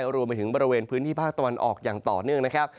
รวมไปถึงบริเวณพื้นที่ภาคตะวันออกอย่างต่อเนื่องนะครับ